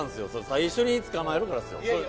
最初につかまえるからですよ。